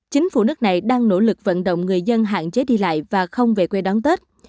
chính phủ nước này đang nỗ lực vận động người dân hạn chế đi lại và không về quê đón tết